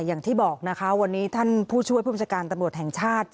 อย่างที่บอกนะคะวันนี้ท่านผู้ช่วยผู้บัญชาการตำรวจแห่งชาติ